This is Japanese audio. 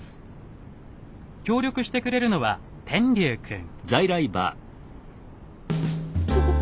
協力してくれるのは天龍くん。